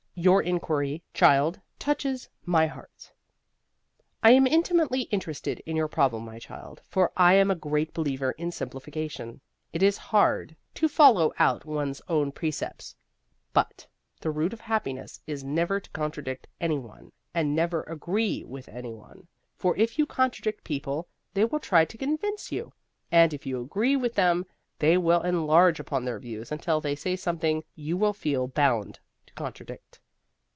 YOUR INQUIRY, CHILD, TOUCHES MY HEART I am intimately interested in your problem, my child, for I am a great believer in simplification. It is hard to follow out one's own precepts; but the root of happiness is never to contradict any one and never agree with any one. For if you contradict people, they will try to convince you; and if you agree with them, they will enlarge upon their views until they say something you will feel bound to contradict.